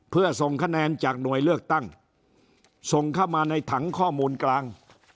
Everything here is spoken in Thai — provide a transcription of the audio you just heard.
เพื่อส่งคะแนนจากหน่วยเลือกตั้งส่งเข้ามาในถังข้อมูลกลาง